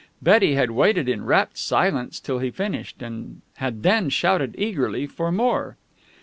Betty had waited in rapt silence till he finished, and had then shouted eagerly for more.